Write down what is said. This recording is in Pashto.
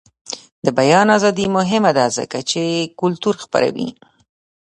د بیان ازادي مهمه ده ځکه چې کلتور خپروي.